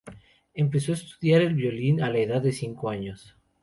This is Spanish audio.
Empezó a estudiar el violín a la edad de cinco años.